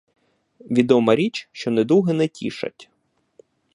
Відома річ, що недуги не тішать.